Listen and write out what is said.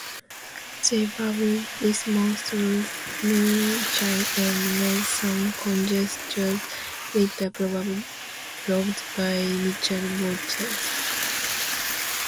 They dubbed this monstrous moonshine and made some conjectures later proved by Richard Borcherds.